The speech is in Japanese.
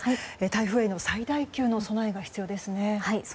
台風に最大級の備えが必要ですね。